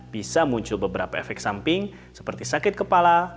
bisa muncul beberapa efek samping seperti sakit kepala